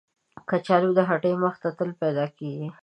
کچالو د هټۍ مخ ته تل پیدا کېږي